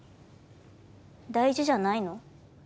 大事じゃないの？